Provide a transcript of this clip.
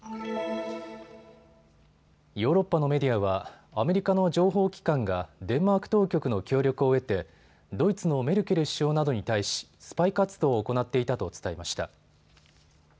ヨーロッパのメディアはアメリカの情報機関がデンマーク当局の協力を得てドイツのメルケル首相などに対しスパイ活動を行っていたと伝えました。